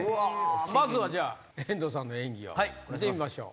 まずは遠藤さんの演技を見てみましょう